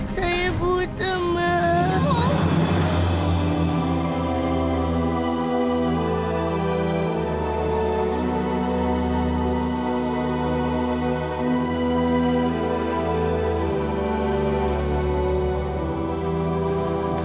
saya buta mbak